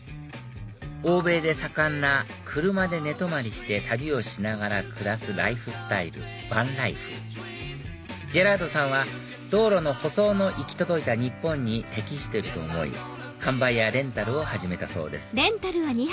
欧米で盛んな車で寝泊まりして旅をしながら暮らすライフスタイルバンライフジェラードさんは道路の舗装の行き届いた日本に適してると思い販売やレンタルを始めたそうです